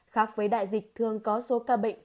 khác với đại dịch thường có số ca bệnh